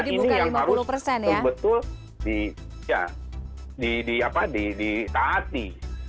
nah ini yang harus betul di taati